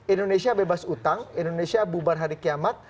indonesia bebas utang indonesia bubar hari kiamat